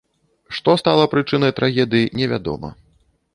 Што стала прычынай трагедыі, невядома.